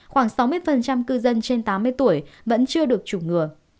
khoảng sáu mươi cư dân trên tám mươi tuổi vẫn chưa được chủng ngừa